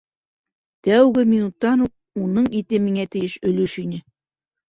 Тәүге минуттан уҡ уның ите миңә тейеш өлөш ине.